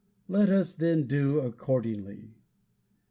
Let us, then, do accordingly."